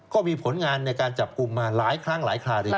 ก็มีผลงานในการจับกลุ่มมาหลายครั้งหลายคราวดี